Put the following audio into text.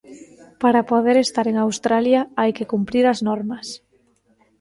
Para poder estar en Australia hai que cumprir as normas.